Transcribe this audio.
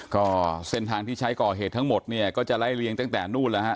ก็เส้นทางที่ใช้ก่อเหตุทั้งหมดเนี่ยก็จะไล่เลี้ยงตั้งแต่นู่นแล้วฮะ